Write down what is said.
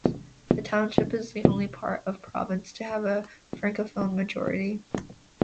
The township is the only part of the province to have a Francophone majority.